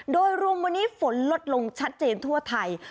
โดยรวมวันนี้ฝนลดลงชัดเจนทั่วไทย